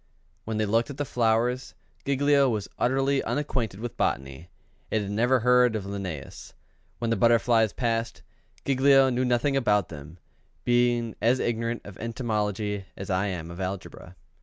When they looked at the flowers, Giglio was utterly unacquainted with botany, and had never heard of Linn├"us. When the butterflies passed, Giglio knew nothing about them, being as ignorant of entomology as I am of algebra.